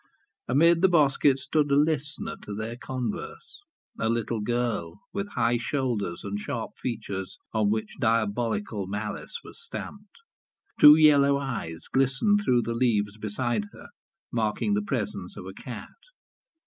Amidst the bosquet stood a listener to their converse a little girl with high shoulders and sharp features, on which diabolical malice was stamped. Two yellow eyes glistened through the leaves beside her, marking the presence of a cat.